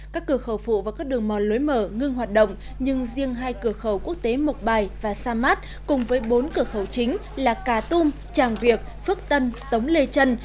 các cửa khẩu phụ và các đường mòn lối mở ngưng hoạt động nhưng riêng hai cửa khẩu quốc tế mộc bài và sa mát cùng với bốn cửa khẩu chính là cà tum tràng việc phước tân tống lê trân